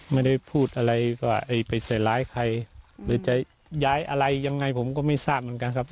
ไม่ได้พูดอะไรก็ไปใส่ร้ายใครหรือจะย้ายอะไรยังไงผมก็ไม่ทราบเหมือนกันครับ